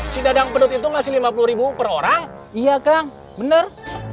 lima puluh si dadang penut itu ngasih lima puluh per orang iya kang bener